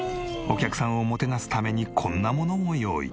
お客さんをもてなすためにこんなものも用意。